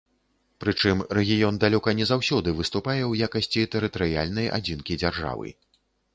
Прычым рэгіён далёка не заўсёды выступае ў якасці тэрытарыяльнай адзінкі дзяржавы.